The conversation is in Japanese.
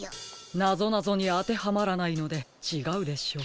なぞなぞにあてはまらないのでちがうでしょう。